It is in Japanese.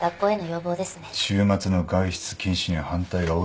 週末の外出禁止には反対が多いな。